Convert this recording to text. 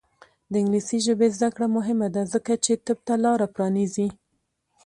د انګلیسي ژبې زده کړه مهمه ده ځکه چې طب ته لاره پرانیزي.